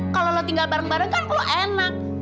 kalau lo tinggal bareng bareng kan lo enak